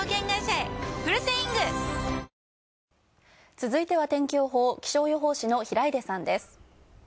続いては天気予報、気象予報士の平出さんです。